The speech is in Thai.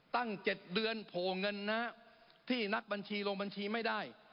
ตั้ง๗เดือนโผล่เงินนะฮะที่นักบัญชีลงบัญชีไม่ได้